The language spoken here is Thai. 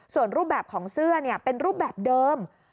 ส่วนรูปแบบของเสื้อเป็นรูปแบบเดิม